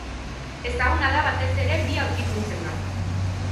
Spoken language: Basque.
Ezaguna da batez ere bi aurkikuntzengatik.